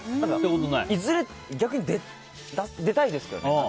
いずれ逆に出たいですけどね。